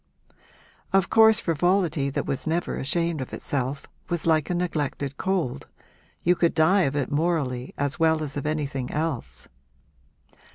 Of course frivolity that was never ashamed of itself was like a neglected cold you could die of it morally as well as of anything else.